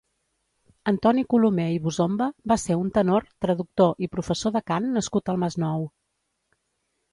Antoni Colomé i Bosomba va ser un tenor, traductor i professor de cant nascut al Masnou.